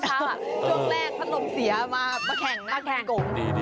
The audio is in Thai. ช่วงแรกพัดลมเสียมาแข่งนะครับกลม